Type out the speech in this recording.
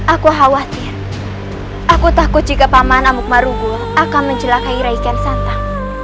aku khawatir aku takut jika paman amuk marugul akan menjelakai reikan santang